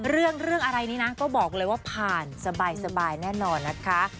เรื่องอะไรนี้นะก็บอกเลยว่าผ่านสบายแน่นอนนะคะ